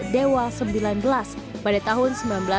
dewa sembilan belas pada tahun